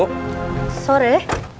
selamat sore ibu